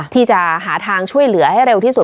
ที่จะหาทางช่วยเหลือให้เร็วที่สุด